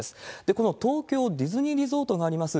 この東京ディズニーリゾートがあります